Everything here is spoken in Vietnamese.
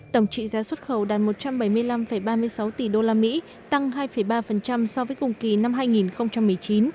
tổng trị giá xuất khẩu đạt một trăm bảy mươi năm ba mươi sáu tỷ usd tăng hai ba so với cùng kỳ năm hai nghìn một mươi chín